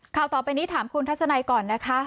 ข่าวต่อไปนี้ถามคุณทัศนัยก่อนนะคะ